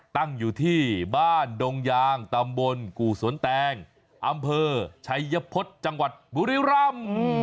ตั้งอยู่ที่บ้านดงยางตำบลกู่สวนแตงอำเภอชัยพฤษจังหวัดบุรีรำ